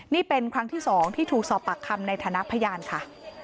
นี่เป็นครั้งที่๒ที่ถูกสอบปากคำในฐานะพยานค่ะ